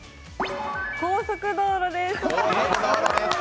高速道路です。